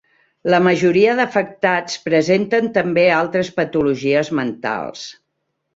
La majoria d'afectats presenten també altres patologies mentals.